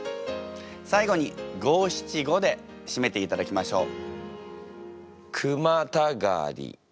最後に五・七・五でしめていただきましょう。